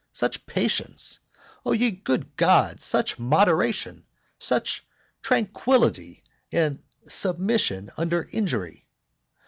Such patience! O ye good gods! such moderation! such tranquillity and submission under injury!